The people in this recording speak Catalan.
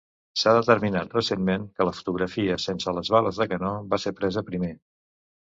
S'ha determinat recentment que la fotografia sense les bales de canó va ser presa primer.